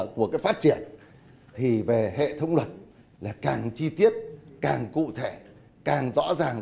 của cái phát triển thì về hệ thống luật là càng chi tiết càng cụ thể càng rõ ràng